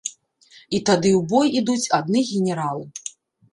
І тады ў бой ідуць адны генералы.